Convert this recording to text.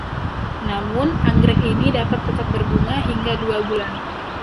Namun, anggrek ini dapat tetap berbunga hingga dua bulan.